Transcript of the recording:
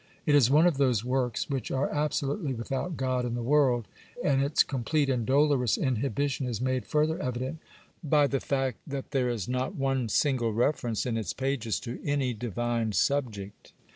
It is one of those works which are absolutely without God in the world, and its complete and dolorous inhibition is made further evident by the fact, that there is not one single reference in its pages to any divine subject.